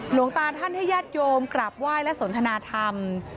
หลวงตาท่านให้ญาติโยมกราบไหว้และสนทนาธรรม